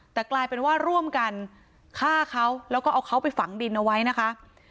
แต่กลายเป็นว่าร่วมกันฆ่าเขาแล้วก็เอาเขาไปฝังดินเอาไว้นะคะ